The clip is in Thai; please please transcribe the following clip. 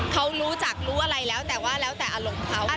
เขารู้จักรู้อะไรแล้วแต่ว่าแล้วแต่อารมณ์เขา